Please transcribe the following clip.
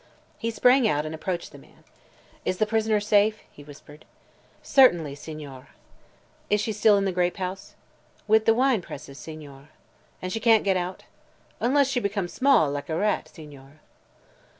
He sprang out and approached the man. "Is the prisoner safe?" he whispered. "Certainly, Signore." "Is she still in the grape house?" "With the wine presses, Signore." "And she can't get out?" "Unless she becomes small, like a rat, Signore."